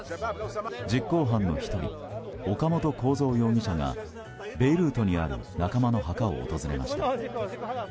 実行犯の１人岡本公三容疑者がベイルートにある仲間の墓を訪れました。